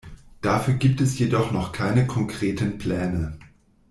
Dafür gibt es jedoch noch keine konkreten Pläne.